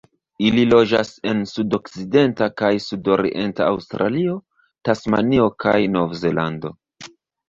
Ili loĝas en sudokcidenta kaj sudorienta Aŭstralio, Tasmanio, kaj Novzelando.